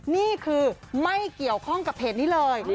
นี่คือไม่เกี่ยวข้องกับเพจนี้เลย